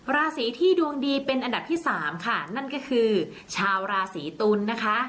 ราศีที่ดวงดีเป็นอันดับที่สามค่ะนั่นก็คือชาวราศีตุลนะคะ